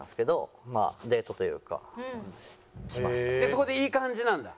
そこでいい感じなんだ？